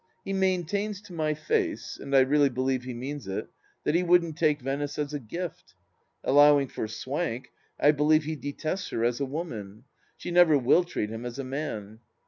He maintains to my face, and I really believe he means it, that he wouldn't take Venice as a gift. Allowing for swank, I believe he detests her as a woman ; she never tuill treat him as a man.